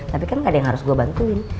tapi kan gak ada yang harus gue bantuin